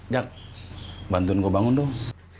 jak bantu gue bangun dulu